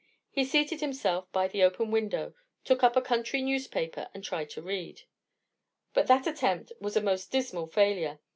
He seated himself by the open window, took up a country newspaper, and tried to read. But that attempt was a most dismal failure.